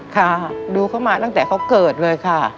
ค่ะดูเขามาตั้งแต่เขาเกิดเลยค่ะ